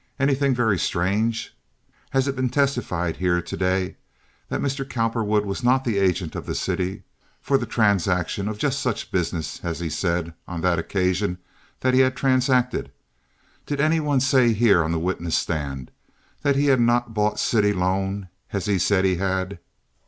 Anything very strange? Has it been testified here to day that Mr. Cowperwood was not the agent of the city for the transaction of just such business as he said on that occasion that he had transacted? Did any one say here on the witness stand that he had not bought city loan as he said he had?